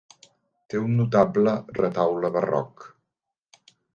Té un notable retaule barroc.